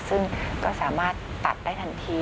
ซึ่งก็สามารถตัดได้ทันที